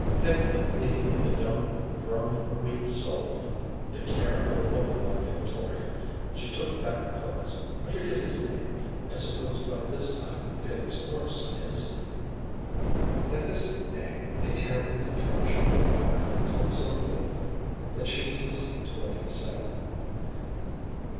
think of leaving a young, growing, weak soul in the care of a woman like Victoria! She took that poet's, I forget his name; I suppose by this time Felix Morrison is ..." At this name, a terrible contraction of the heart told Sylvia that she was listening to what he said.